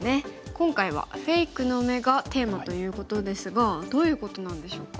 今回はフェイクの目がテーマということですがどういうことなんでしょうか？